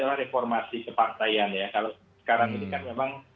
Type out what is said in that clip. ke dalam informasi ke partaian ya kalau sekarang ini kan memang